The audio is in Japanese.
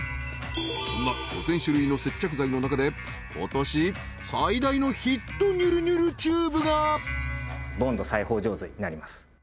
そんな５０００種類の接着剤の中で今年最大のヒットにゅるにゅるチューブがボンド裁ほう上手になります